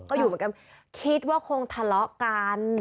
ก็อยู่เหมือนกันคิดว่าคงทะเลาะกัน